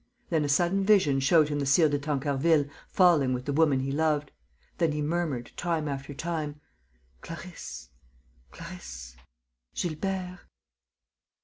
Then a sudden vision showed him the Sire de Tancarville falling with the woman he loved. Then he murmured, time after time: "Clarisse.... Clarisse.... Gilbert...."